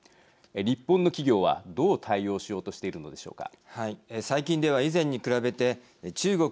日本の企業は、どう対応しようとしているのでしょうか。